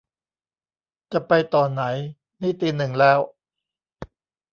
จะไปต่อไหน นี่ตีหนึ่งแล้ว